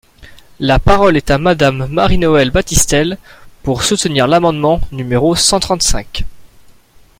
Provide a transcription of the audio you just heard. La parole est à Madame Marie-Noëlle Battistel, pour soutenir l’amendement numéro cent trente-cinq.